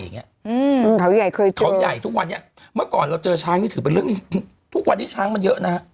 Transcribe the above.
อืมเขาใหญ่เคยถูกเขาใหญ่ทุกวันนี้เมื่อก่อนเราเจอช้างนี่ถือเป็นเรื่องทุกวันนี้ช้างมันเยอะนะฮะ